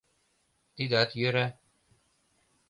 Тидат йӧра...